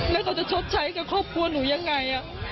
แล้วเขาจะชดใช้กับครอบครัวหนูยังไง